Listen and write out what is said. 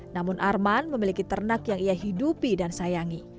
namun arman memiliki ternak yang ia hidupi dan sayangi